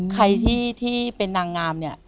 ใครที่เป็นนางงามเนี่ย